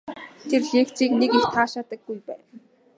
Тэр лекцийг нэг их таашаадаггүй байв.